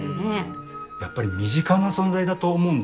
やっぱり身近な存在だと思うんですよ。